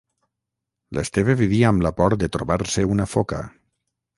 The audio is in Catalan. L'Esteve vivia amb la por de trobar-se una foca.